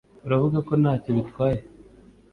uravuga ko ntacyo bitwaye